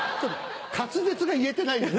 「滑舌」が言えてないのよ。